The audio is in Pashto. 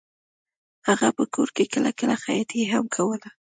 هغه په کور کې کله کله خیاطي هم کوله